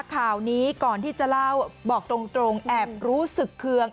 ข่าวนี้ก่อนที่จะเล่าบอกตรงแอบรู้สึกเคือง